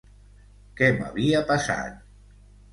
Què m'havia passat?